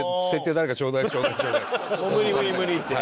「もう無理無理無理」って？